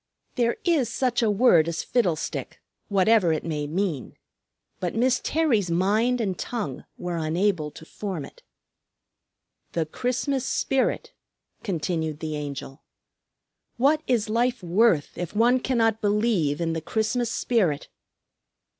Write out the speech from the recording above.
There is such a word as Fiddlestick, whatever it may mean. But Miss Terry's mind and tongue were unable to form it. "The Christmas spirit!" continued the Angel. "What is life worth if one cannot believe in the Christmas spirit?"